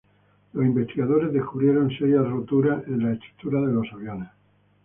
Los investigadores descubrieron serias roturas en la estructura de los aviones.